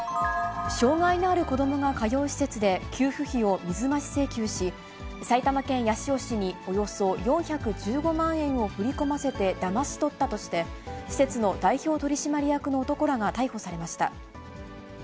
障がいのある子どもが通う施設で給付費を水増し請求し、埼玉県八潮市におよそ４１５万円を振り込ませてだまし取ったとして、施設の代表取締役の男らが逮捕されました。